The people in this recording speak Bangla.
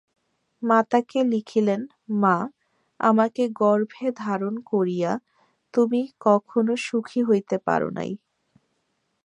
মাতাকে লিখিলেন, মা, আমাকে গর্ভে ধরিয়া তুমি কখনো সুখী হইতে পার নাই।